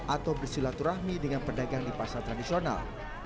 atau bersilaturahmi dengan pedagang di pasar tradisional